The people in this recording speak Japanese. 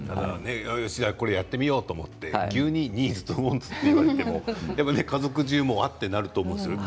これやってみようと思って急にニーズとウォンツと言われても家族じゅうもは？っとなると思うんですよね。